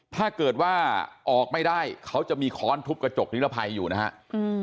ถ้าเกิดว่าออกไม่ได้เขาจะมีค้อนทุบกระจกนิรภัยอยู่นะฮะ